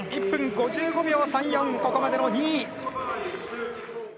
１分５５秒３４、ここまでの２位。